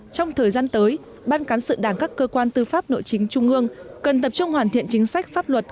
trong thời gian tới ban cán sự đảng các cơ quan tư pháp nội chính trung ương cần tập trung hoàn thiện chính sách pháp luật